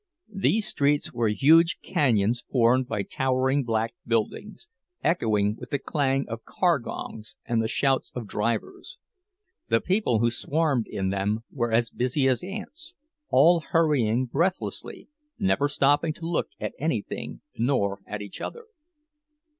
These streets were huge canyons formed by towering black buildings, echoing with the clang of car gongs and the shouts of drivers; the people who swarmed in them were as busy as ants—all hurrying breathlessly, never stopping to look at anything nor at each other.